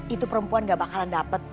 itu perempuan gak bakalan dapat